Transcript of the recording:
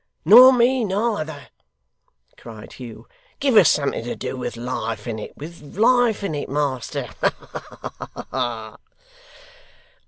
'Nor me neither!' cried Hugh. 'Give us something to do with life in it with life in it, master. Ha, ha!